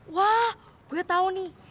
wah gue tau nih